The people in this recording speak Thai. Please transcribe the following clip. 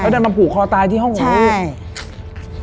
แล้วจะมาถูกคอตายที่ห้องของลูก